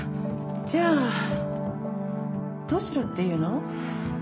じゃあどうしろっていうの？